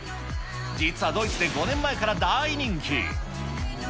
実はドイツで５年前から大人気。